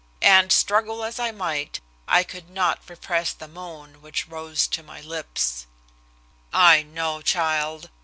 And, struggle as I might, I could not repress the moan which rose to my lips. "I know, child."